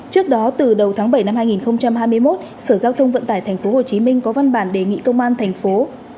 trước đó từ đầu tháng bảy năm hai nghìn hai mươi một sở giao thông vận tải tp hcm có văn bản đề nghị công an thành phố